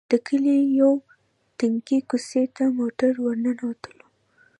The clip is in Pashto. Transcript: د کلي يوې تنګې کوڅې ته موټر ور ننوتلو.